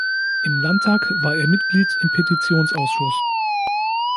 Im Landtag war er Mitglied im Petitionsausschuss.